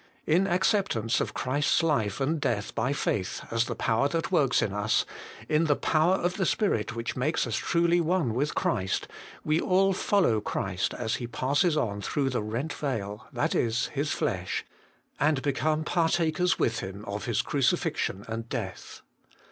In acceptance of Christ's life and death by faith as the power that works in us, in the power of the Spirit which makes us truly one with Christ, we all follow Christ as He passes on through the rent veil, that is, His flesh, and become partakers with Him of His crucifixion and death.